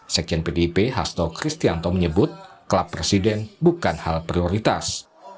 sekjen pdip hasto kristianto menyebut klub presiden bukan hal prioritas